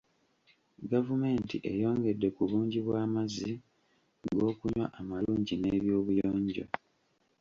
Gavumenti eyongedde ku bungi bw'amazzi g'okunywa amalungi n'ebyobuyonjo.